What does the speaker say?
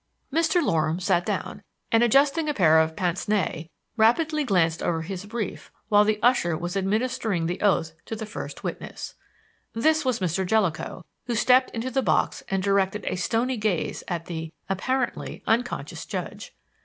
Mr. Loram sat down, and adjusting a pair of pince nez, rapidly glanced over his brief while the usher was administering the oath to the first witness. This was Mr. Jellicoe, who stepped into the box and directed a stony gaze at the (apparently) unconscious judge.